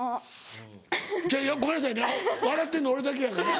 ごめんなさいね笑ってんの俺だけやから。